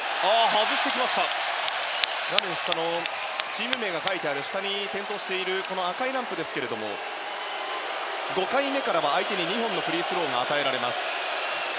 画面下のチーム名が書いてある下に点灯している赤いランプですが５回目からは相手に２本のフリースローが与えられます。